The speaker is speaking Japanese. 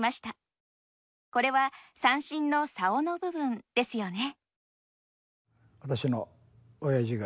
これは三線の棹の部分ですよね。